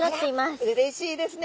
あらうれしいですね。